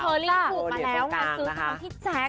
เชอรี่สูดมาแล้วมาซื้อของพี่แจ๊ก